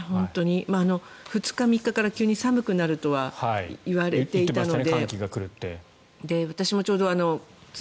２日、３日から急に寒くなるとは言われていたので。